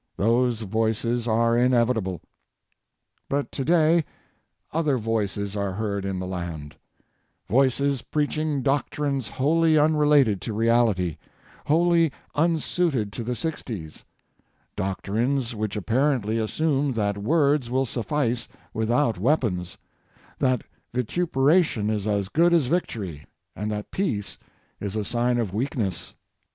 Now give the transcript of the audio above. Those voices are inevitable. But today other voices are heard in the land ŌĆō voices preaching doctrines wholly unrelated to reality, wholly unsuited to the sixties, doctrines which apparently assume that words will suffice without weapons, that vituperation is as good as victory and that peace is a sign of weakness.